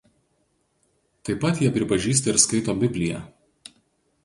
Taip pat jie pripažįsta ir skaito Bibliją.